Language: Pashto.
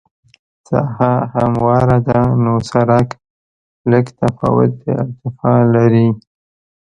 ساحه همواره ده نو سرک لږ تفاوت د ارتفاع لري